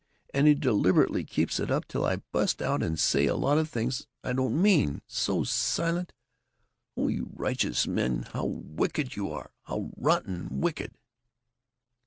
And he deliberately keeps it up till I bust out and say a lot of things I don't mean. So silent Oh, you righteous men! How wicked you are! How rotten wicked!"